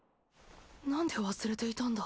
なんで忘れていたんだ？